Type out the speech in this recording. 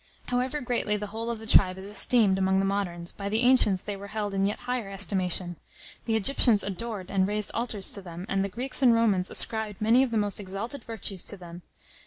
However greatly the whole of the tribe is esteemed among the moderns, by the ancients they were held in yet higher estimation. The Egyptians adored and raised altars to them, and the Greeks and Romans ascribed many of the most exalted virtues to them.